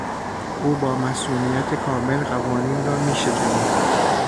او با مصونیت کامل قوانین را میشکند.